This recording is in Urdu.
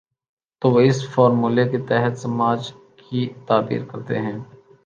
تو وہ اس فارمولے کے تحت سماج کی تعبیر کرتے ہیں۔